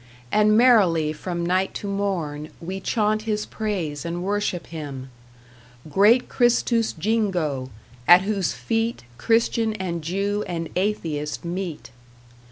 And merrily from night to morn We chaunt his praise and worship him Great Christus Jingo, at whose feet Christian and Jew and Atheist meet!